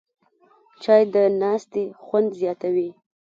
چای د ناستې خوند زیاتوي